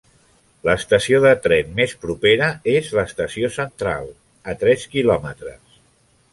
L'estació de tren més propera és l'estació Central, a tres quilòmetres.